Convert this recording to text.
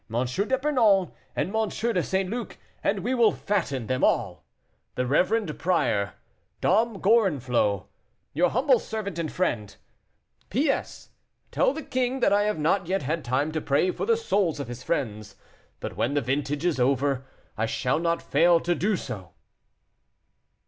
d'Epernon, and M. de St. Luc, and we will fatten them all. "The reverend prior, "DOM GORENFLOT, "Your humble servant and friend. "P.S. Tell the king that I have not yet had time to pray for the souls of his friends; but when the vintage is over; I shall not fail to do so."